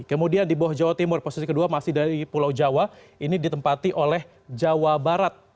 kemudian di bawah jawa timur posisi kedua masih dari pulau jawa ini ditempati oleh jawa barat